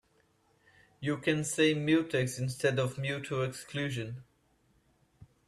You can say mutex instead of mutual exclusion.